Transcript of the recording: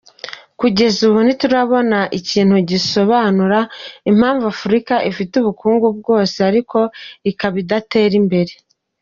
Kugeza ubu ntiturabona ikintu gisobanura impamvu Afurika ifite ubukungu bwose ariko ikaba idatera imbere.